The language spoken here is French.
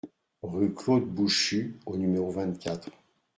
Rue Claude Bouchu au numéro vingt-quatre